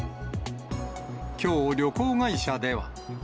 きょう、旅行会社では。